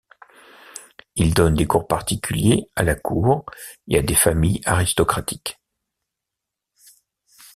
Il donne des cours particuliers à la cour et à des familles aristocratiques.